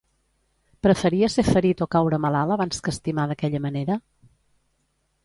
Preferia ser ferit o caure malalt abans que estimar d'aquella manera?